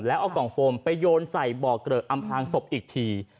แล้วเอากล่องโฟมไปโยนใส่บ่อเกลอะอำพลางศพอีกที